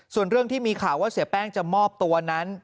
ส่วนเรื่องที่มีข่าวว่าเสียแป้งจะมอบตัวนั้น